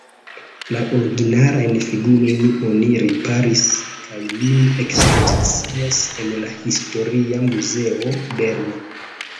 La originalajn figurojn oni riparis kaj nun ekspozicias en la historia muzeo Berno.